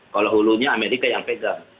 kalau hulunya amerika yang pegang